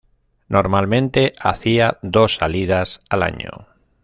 Normalmente hacían dos salidas al año.